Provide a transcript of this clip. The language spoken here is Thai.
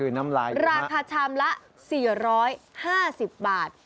ราคาชามละ๔๕๐บาท